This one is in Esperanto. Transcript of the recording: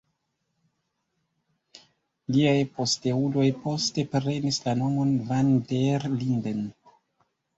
Liaj posteuloj poste prenis la nomon van der Linden.